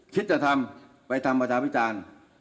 คิดจะทำไปทำประชาวิจารณ์